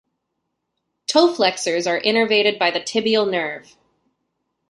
Toe flexors are innervated by the tibial nerve.